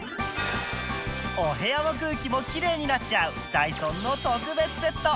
お部屋の空気もきれいになっちゃうダイソンの特別セット